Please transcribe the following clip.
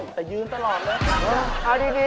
แต่ยืนตลอด